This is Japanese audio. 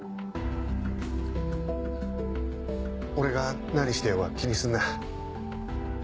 俺が何してようが気にすんな。